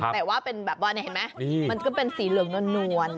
แต่ว่าเป็นแบบว่านี่เห็นไหมมันก็เป็นสีเหลืองนวล